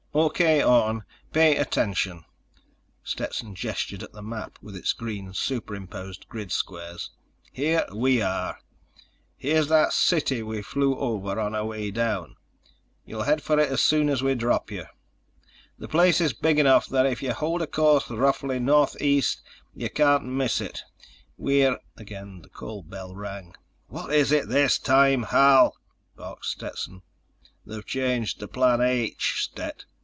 "O.K., Orne, pay attention." Stetson gestured at the map with its green superimposed grid squares. "Here we are. Here's that city we flew over on our way down. You'll head for it as soon as we drop you. The place is big enough that if you hold a course roughly northeast you can't miss it. We're—" Again the call bell rang. "What is it this time, Hal?" barked Stetson. "They've changed to Plan H, Stet.